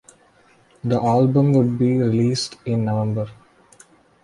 The album would be released in November.